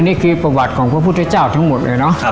นี่คือประวัติของพระพุทธเจ้าทั้งหมดเลยเนอะ